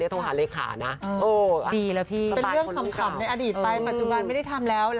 แจ็บมันไม่เอาแล้ว